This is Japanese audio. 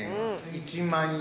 １万円。